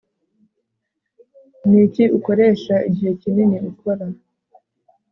niki ukoresha igihe kinini ukora